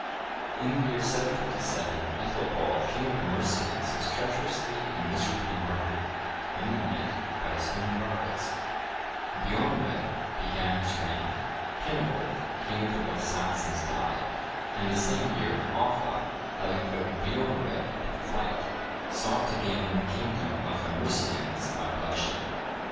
In the year 757, Ethelbald, king of the Mercians, was treacherously and miserably murdered, in the night, by his own guards; Beornred(1076) began his reign; Cyniwulf,(1077) king of the West Saxons, died; and the same year, Offa, having put Beornred to flight, sought to gain the kingdom of the Mercians by bloodshed.